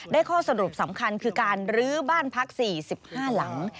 ข้อสรุปสำคัญคือการลื้อบ้านพัก๔๕หลัง